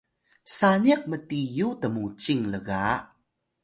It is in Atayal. saniq mtiyu tmucing lga